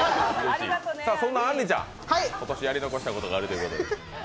そんなあんりちゃん、今年やり残したことがあるということで。